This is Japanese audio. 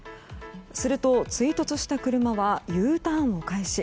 すると、追突した車はＵターンを開始。